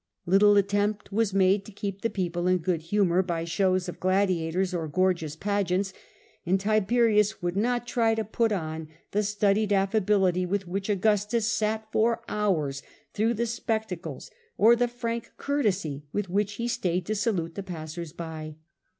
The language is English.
Little attempt was made to keep the people in good and the humour by shows of gladiators or gorgeous pageants, and Tiberius would not try to put people. on the studied affability with which Augustus sat for hours through the spectacles, or the frank courtesy with which he stayed to salute the passers by.